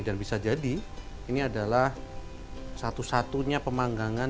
dan bisa jadi ini adalah satu satunya pemanggangan